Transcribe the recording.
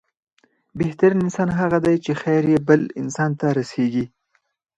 بهترين انسان هغه دی چې، خير يې بل انسان ته رسيږي.